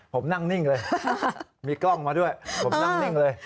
ผมนั่งนิ่งเลยมีกล้องมาด้วยผมนั่งนิ่งเลย